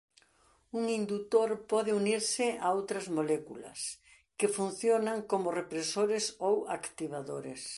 Un indutor pode unirse a outras moléculas que funcionan como represores ou activadores.